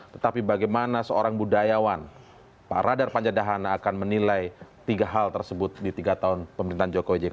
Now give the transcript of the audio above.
tetapi bagaimana seorang budayawan pak radar panjadahan akan menilai tiga hal tersebut di tiga tahun pemerintahan jokowi jk